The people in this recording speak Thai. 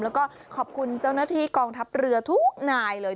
แล้วก็ขอบคุณเจ้าหน้าที่กองทัพเรือทุกนายเลย